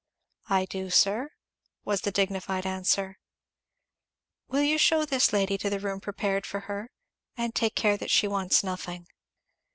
"I do, sir," was the dignified answer. "Will you shew this lady the room prepared for her? And take care that she wants nothing."